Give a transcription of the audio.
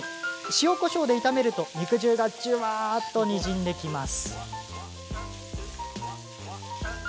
塩、こしょうで炒めると肉汁がじゅわっとにじんできます。